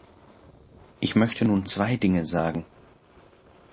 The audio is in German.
Ich möchte nur zwei Dinge sagen.